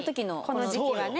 この時期はね。